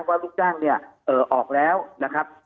ว่าลูกจ้างเนี่ยออกแล้วนะครับ